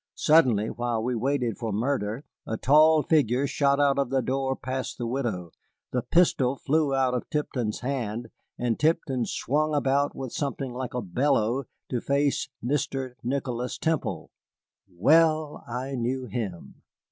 Suddenly, while we waited for murder, a tall figure shot out of the door past the widow, the pistol flew out of Tipton's hand, and Tipton swung about with something like a bellow, to face Mr. Nicholas Temple. Well I knew him!